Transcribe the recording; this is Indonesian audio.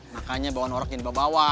makanya dibawahan orok ini dibawa bawa